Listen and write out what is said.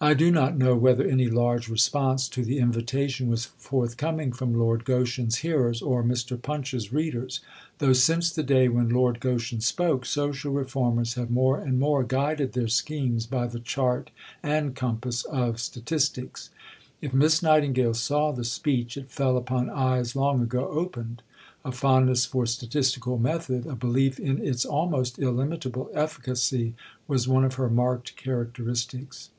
I do not know whether any large response to the invitation was forthcoming from Lord Goschen's hearers or Mr. Punch's readers; though, since the day when Lord Goschen spoke, social reformers have more and more guided their schemes by the chart and compass of statistics. If Miss Nightingale saw the speech, it fell upon eyes long ago opened. A fondness for statistical method, a belief in its almost illimitable efficacy, was one of her marked characteristics.